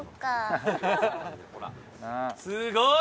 すごい！